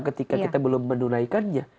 ketika kita belum menunaikannya